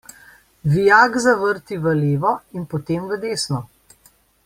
Vijak zavrti v levo in potem v desno.